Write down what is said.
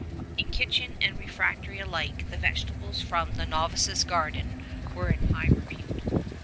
In kitchen and refectory alike the vegetables from the novices' garden were in high repute.